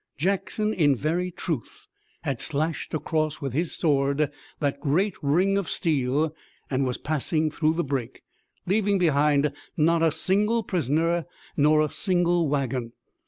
Jackson in very truth had slashed across with his sword that great ring of steel and was passing through the break, leaving behind not a single prisoner, nor a single wagon.